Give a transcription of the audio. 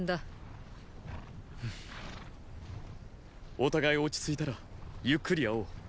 お互い落ち着いたらゆっくり会おう楊端和。